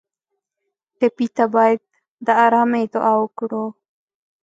ټپي ته باید د ارامۍ دعا وکړو.